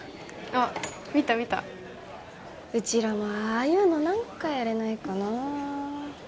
あっ見た見たうちらもああいうの何かやれないかな